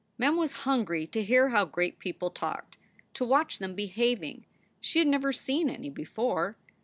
Mem was hungry to hear how great people talked, to watch them behaving. She had never seen any before.